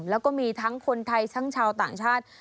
แล้วก็มีทั้งคนไทยทั้งชาวต่างชาติ